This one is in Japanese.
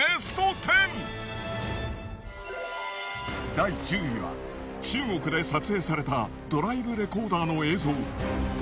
第１０位は中国で撮影されたドライブレコーダーの映像。